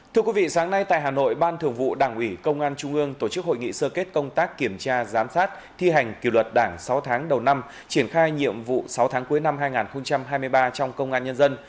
thưa quý vị sáng nay tại hà nội ban thường vụ đảng ủy công an trung ương tổ chức hội nghị sơ kết công tác kiểm tra giám sát thi hành kỷ luật đảng sáu tháng đầu năm triển khai nhiệm vụ sáu tháng cuối năm hai nghìn hai mươi ba trong công an nhân dân